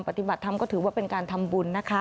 ปฏิบัติธรรมก็ถือว่าเป็นการทำบุญนะคะ